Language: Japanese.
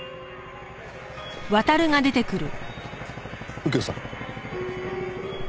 右京さん？